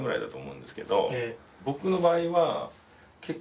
僕の場合は結構。